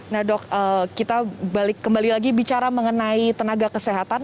nah dok kita kembali lagi bicara mengenai tenaga kesehatan